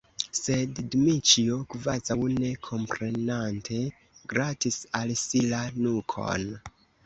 Sed Dmiĉjo, kvazaŭ ne komprenante, gratis al si la nukon.